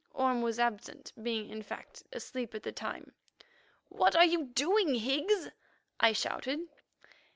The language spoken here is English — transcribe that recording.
Orme was absent, being, in fact, asleep at the time. "What are you doing, Higgs?" I shouted.